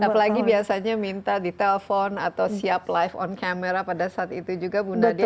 apalagi biasanya minta ditelepon atau siap live on camera pada saat itu juga bu nadia